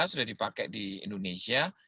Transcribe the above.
sudah dipakai di indonesia